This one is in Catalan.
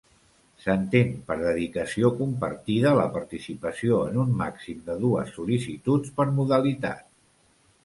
S'entén per dedicació compartida la participació en un màxim de dues sol·licituds per modalitat.